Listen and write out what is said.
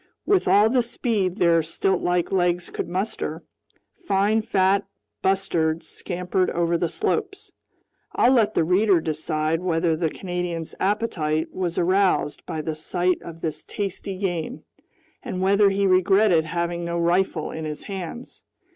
With all the speed their stiltlike legs could muster, fine fat bustards scampered over the slopes. I'll let the reader decide whether the Canadian's appetite was aroused by the sight of this tasty game, and whether he regretted having no rifle in his hands.